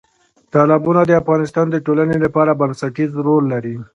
تالابونه د افغانستان د ټولنې لپاره بنسټیز رول لري.